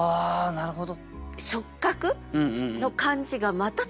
なるほど。